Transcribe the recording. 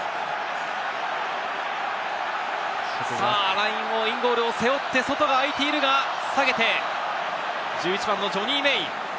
ライン、インゴールを背負って、外が空いているが、下げて、１１番のジョニー・メイ。